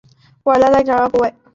沃拉尔在场上的位置是后卫。